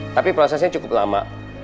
tapi prosesnya cukup lama